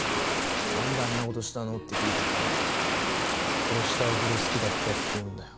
なんであんなことしたの？って聞いたら殺したいほど好きだったって言うんだよ。